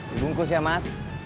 dibungkus ya mas